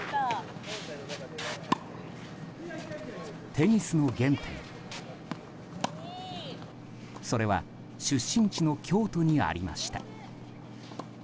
テニスの原点、それは出身地の京都にありました。